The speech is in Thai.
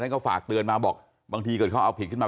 ท่านคงฝากเตือนมาบอกบางทีก็เอาผิดขึ้นมา